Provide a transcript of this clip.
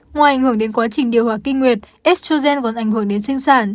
ngoài ảnh hưởng đến quá trình điều hòa kinh nguyệt estrogen còn ảnh hưởng đến sinh sản